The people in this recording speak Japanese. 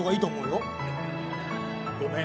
ごめん。